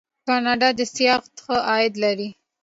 کاناډا د سیاحت ښه عاید لري.